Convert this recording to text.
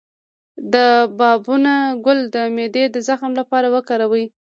د بابونه ګل د معدې د زخم لپاره وکاروئ